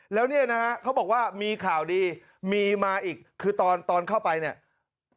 แล้วเนี่ยนะฮะเขาบอกว่ามีข่าวดีมีมาอีกคือตอนตอนเข้าไปเนี่ย